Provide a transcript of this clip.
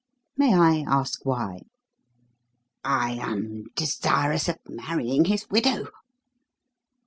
"May I ask why?" "I am desirous of marrying his widow!"